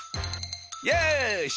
よし！